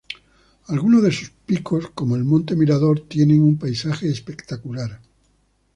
Algunos de sus picos, como el monte Mirador, tienen un paisaje espectacular.